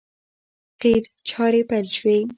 قیر چارې پیل شوې!